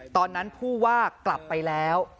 ตอนนั้นผู้ว่ากลับไปแล้ว